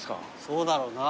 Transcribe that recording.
そうだろうな。